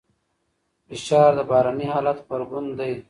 فشار د بهرني حالت غبرګون دی.